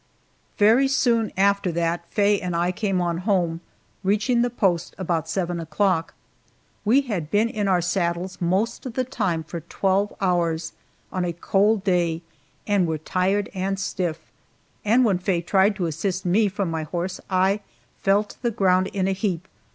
Very soon after that Faye and I came on home, reaching the post about seven o'clock. We had been in our saddles most of the time for twelve hours, on a cold day, and were tired and stiff, and when Faye tried to assist me from my horse I fell to the ground in a heap.